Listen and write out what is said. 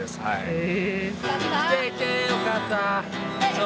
へえ。